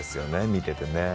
見ててね。